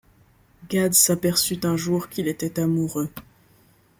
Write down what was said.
Gad s'aperçut un jour qu'il était amourëux.